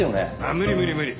無理無理無理。